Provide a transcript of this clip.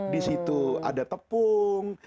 disitu ada tepung